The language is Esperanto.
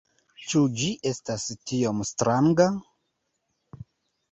Ĉu ĝi estas tiom stranga?